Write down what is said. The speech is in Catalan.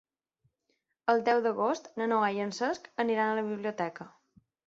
El deu d'agost na Noa i en Cesc aniran a la biblioteca.